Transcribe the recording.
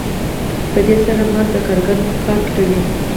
په دې سره مزد د کارګر کار پټوي